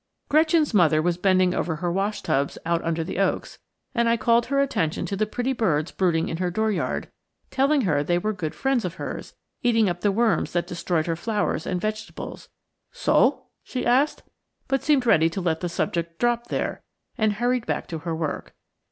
Gretchen's mother was bending over her wash tubs out under the oaks, and I called her attention to the pretty birds brooding in her door yard, telling her that they were good friends of hers, eating up the worms that destroyed her flowers and vegetables. "So?" she asked, but seemed ready to let the subject drop there, and hurried back to her work.